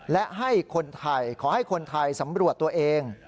และขอให้คนไทยสำรวจตัวเอง